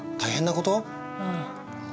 うん。